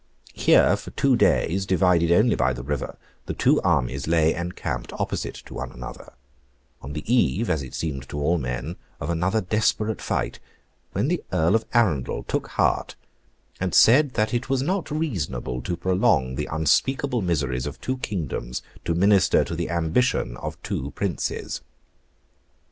Here, for two days, divided only by the river, the two armies lay encamped opposite to one another—on the eve, as it seemed to all men, of another desperate fight, when the Earl of Arundel took heart and said 'that it was not reasonable to prolong the unspeakable miseries of two kingdoms to minister to the ambition of two princes.